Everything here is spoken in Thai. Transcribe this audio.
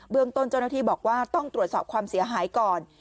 ต้นเจ้าหน้าที่บอกว่าต้องตรวจสอบความเสียหายก่อน